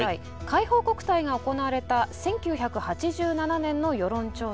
海邦国体が行われた１９８７年の世論調査です。